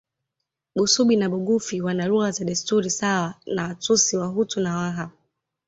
Busubi na Bugufi wana lugha na desturi sawa na Watusi Wahutu na Waha